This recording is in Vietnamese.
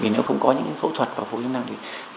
nếu không có những phẫu thuật và phục hồi chức năng thì